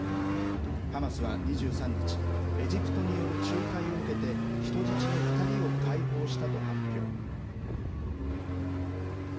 ハマスは２３日、エジプトによる仲介を受けて、人質の２人を解放したと発表。